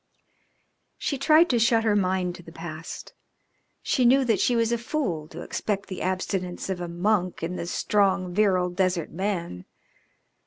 She tried to shut her mind to the past. She knew that she was a fool to expect the abstinence of a monk in the strong, virile desert man.